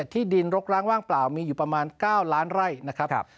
ที่ดินรกร้างว่างเปล่ามีอยู่ประมาณ๙ล้านไร่นะครับ